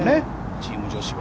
チーム女子は。